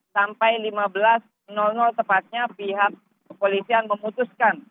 sampai lima belas tepatnya pihak kepolisian memutuskan